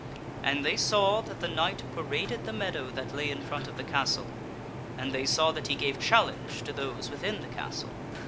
And they saw that the knight paraded the meadow that lay m front of the castle, and they saw that he gave challenge to those within the castle.